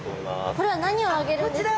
これは何をあげるんですか？